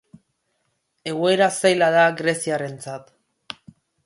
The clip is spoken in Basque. Egoera zaila da greziarrentzat.